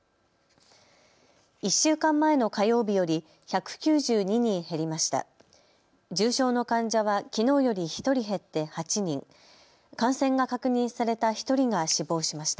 １週間前の火曜日より１９２人減りました。